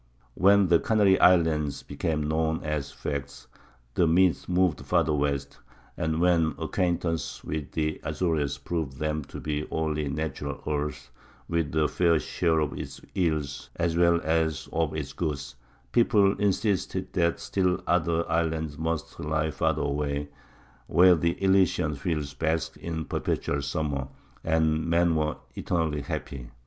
When the Canary Islands became known as facts, the myth moved farther west; and when acquaintance with the Azores proved them to be only natural earth with a fair share of its ills, as well as of its good, people insisted that still other islands must lie farther away, where the Elysian Fields basked in perpetual summer and men were eternally happy.